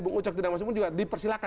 bu ucong tidak masuk pun juga dipersilahkan